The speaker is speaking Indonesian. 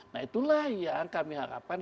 nah itulah yang kami harapkan